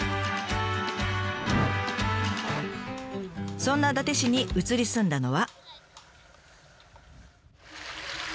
そんな伊達市に移り住んだのは。